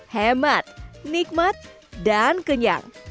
hemat nikmat dan kenyang